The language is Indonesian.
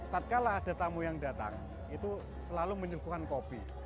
tadkala ada tamu yang datang itu selalu menyuguhkan kopi